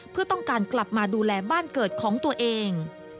เพื่อต้องการกลับมาดูแลบ้านเกิดของตัวเอง